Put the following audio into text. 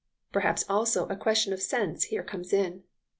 Perhaps also a question of sense here comes in.